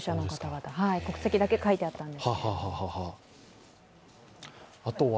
国籍だけ書いてあったので。